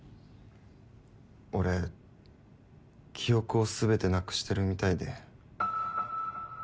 俺記憶をすべてなくしてるみたいで。